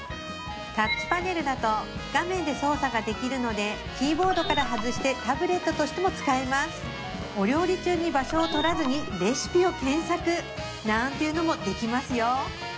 タッチパネルだと画面で操作ができるのでキーボードから外してタブレットとしても使えますお料理中に場所を取らずにレシピを検索なんていうのもできますよ